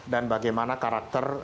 dan bagaimana karakter